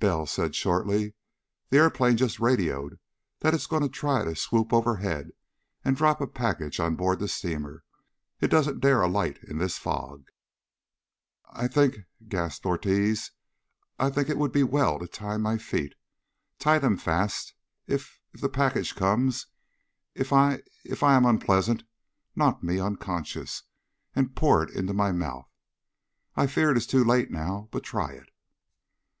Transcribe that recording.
Bell said shortly: "The airplane just radioed that it's going to try to swoop overhead and drop a package on board the steamer. It doesn't dare alight in this fog." "I think," gasped Ortiz, "I think it would be well to tie my feet. Tie them fast! If if the package comes, if I if I am unpleasant, knock me unconscious and pour it into my mouth. I fear it is too late now. But try it...."